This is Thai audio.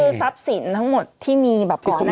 คือทรัพย์สินทั้งหมดที่มีแบบก่อน